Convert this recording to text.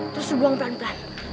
terus lo buang pelan pelan